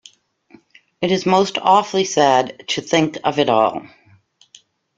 It is most awfully sad to think of it all.